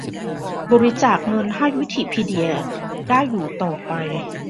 บริจาคเงินให้วิกิพีเดียอยู่ได้ต่อไป